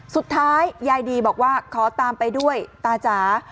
สุดท้ายยายดีบอกว่าขอตามไปด้วยตาจ๋า